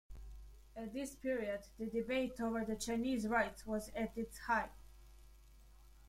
At this period the debate over the Chinese Rites was at its height.